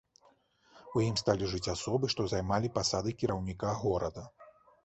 У ім сталі жыць асобы, што займалі пасады кіраўніка горада.